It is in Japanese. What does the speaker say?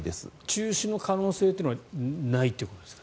中止の可能性はないということですか。